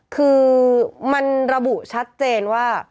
คือมันระบุชัดเจนว่า